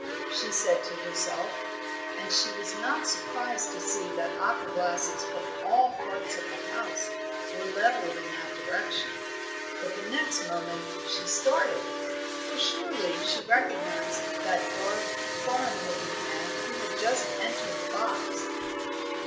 she said to herself; and she was not surprised to see that opera glasses from all parts of the house were levelled in that direction; but the next moment she started for surely she recognized that dark, foreign looking man who had just entered the box.